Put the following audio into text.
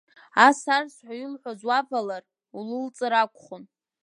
Ас-арсҳәа уи илҳәоз уавалар, улылҵыр акәхон.